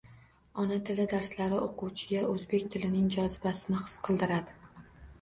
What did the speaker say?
Ona tili darslari oʻquvchiga oʻzbek tilining jozibasini his qildiradi